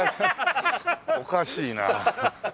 おかしいな。